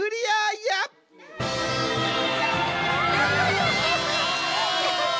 やった。